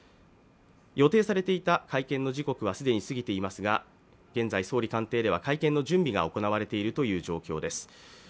予定されていた会見の時刻は過ぎていますが、現在、総理官邸では会見の準備が行われているということです。